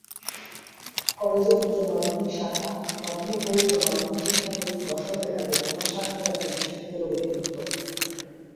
কলেজের উচ্চমাধ্যমিক শাখা মাধ্যমিক ও উচ্চমাধ্যমিক শিক্ষা বোর্ড যশোরের এবং অনার্স শাখা জাতীয় বিশ্ববিদ্যালয়ের অধিভুক্ত।